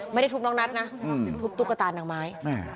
ไม่ได้ทุบน้องนัทนะทุบตุ๊กตานางไม้